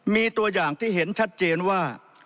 มีตัวอย่างที่เห็นชัดเจนว่า